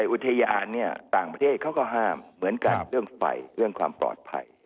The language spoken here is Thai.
อุทยานเนี่ยต่างประเทศเขาก็ห้ามเหมือนกันเรื่องไฟเรื่องความปลอดภัย